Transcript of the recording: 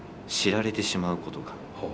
知られてしまうことが。